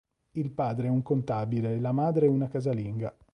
Il padre è un contabile e la madre una casalinga.